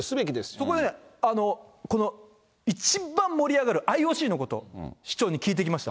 ところでこの一番盛り上がるＩＯＣのこと、市長に聞いてきました。